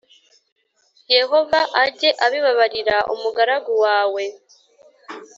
Yehova ajye abibabarira umugaragu wawe